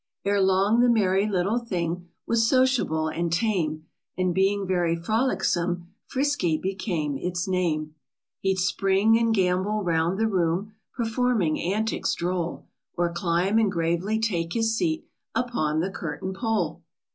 Ere long the merry little thing Was sociable and tame, And being very frolicsome, " Frisky" became its name. He'd spring and gambol round the room, Performing antics droll ; Or climb, and gravely take his seat Upon the curtain pole.